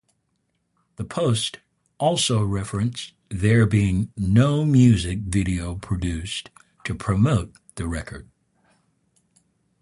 The post also referenced there being no music video produced to promote the record.